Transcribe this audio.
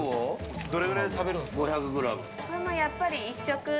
どれくらい食べるんですか？